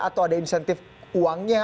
atau ada insentif uangnya